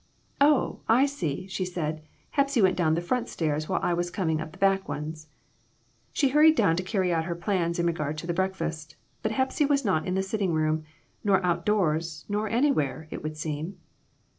" Oh, I see," she said ;" Hepsy went down the front stairs while I was coming up the back ones." She hurried down to carry out her plans in regard to the breakfast, but Hepsy was not in the sitting room, nor outdoors, nor anywhere, it would seem.